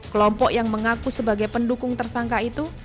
kelompok yang mengaku sebagai pendukung tersangka itu